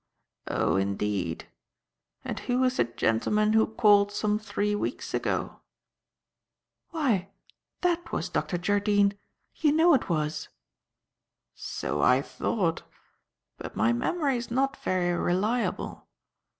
"Oh, indeed. And who was the gentleman who called some three weeks ago?" "Why, that was Dr. Jardine; you know it was." "So I thought, but my memory is not very reliable.